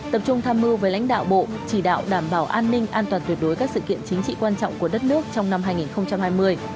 tập trung tham mưu với lãnh đạo bộ chỉ đạo đảm bảo an ninh an toàn tuyệt đối các sự kiện chính trị quan trọng của đất nước trong năm hai nghìn hai mươi